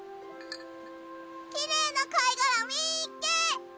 きれいなかいがらみっけ！